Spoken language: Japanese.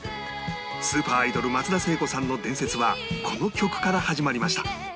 スーパーアイドル松田聖子さんの伝説はこの曲から始まりました